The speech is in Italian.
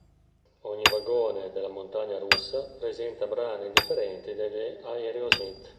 Ogni vagone della montagna russa presenta brani differenti degli Aerosmith.